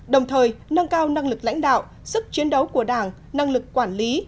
đồng thời nâng cao năng lực lãnh đạo sức chiến đấu của đảng năng lực quản lý